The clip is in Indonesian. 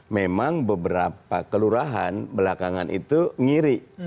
memang beberapa kelurahan belakangan itu ngiri